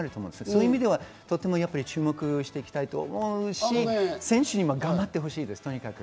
そういう意味で注目していきたいと思うし、選手に頑張ってほしいです。